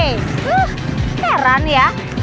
huh heran ya